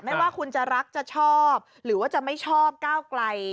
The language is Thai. ไม่ว่าคุณจะรักจะชอบหรือว่าจะไม่ชอบก้าวไกล